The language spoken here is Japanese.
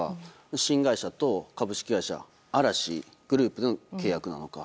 新会社と株式会社嵐グループの契約なのか。